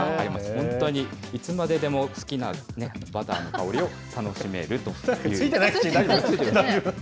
本当にいつまででも、好きなバターの香りを楽しめるという。